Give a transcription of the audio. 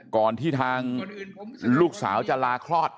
ก่อนที่ทางลูกสาวจะลาคลอด